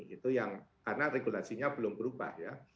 itu yang karena regulasinya belum berubah ya